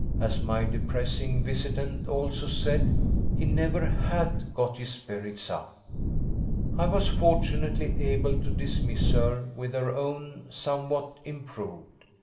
As my depressing visitant also said, he never HAD got his spirits up. I was fortunately able to dismiss her with her own somewhat improved.